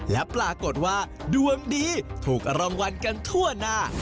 และปรากฏว่าดวงดีถูกรางวัลกันทั่วหน้า